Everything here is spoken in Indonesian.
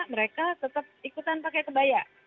mereka tetap ikutan pakai kebaya